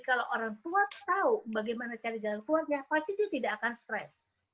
kalau orang tua tahu bagaimana cari jalan keluarnya pasti dia tidak akan stres